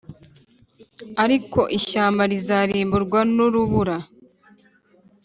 Ariko ishyamba rizarimburwa n’urubura,